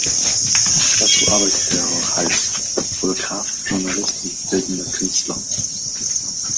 Dazu arbeitete er auch als Fotograf, Journalist und bildender Künstler.